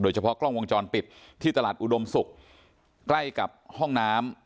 เฉพาะกล้องวงจรปิดที่ตลาดอุดมศุกร์ใกล้กับห้องน้ำ